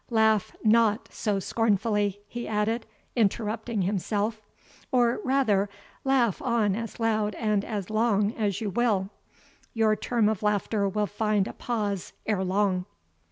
laugh not so scornfully," he added, interrupting himself "or rather laugh on as loud and as long as you will; your term of laughter will find a pause ere long."